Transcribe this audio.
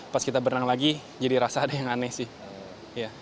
pas kita berenang lagi jadi rasa ada yang aneh sih